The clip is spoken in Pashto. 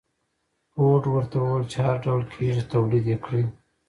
فورډ ورته وويل چې هر ډول کېږي توليد يې کړئ.